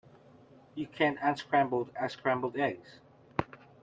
You can't unscramble a scrambled egg.